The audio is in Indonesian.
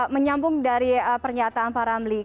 menyambung dari pernyataan pak ramli